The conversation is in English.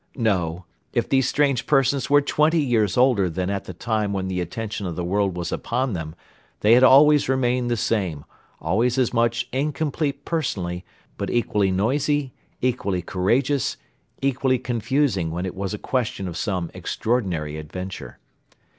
No, if these strange persons were twenty years older than at the time when the attention of the world was upon them they had always remained the same, always as much incomplete personally, but equally noisy, equally courageous, equally confusing when it was a question of some extraordinary adventure.